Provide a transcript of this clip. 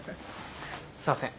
すんません。